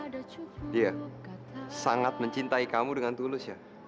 iya sangat mencintai kamu dengan tulus ya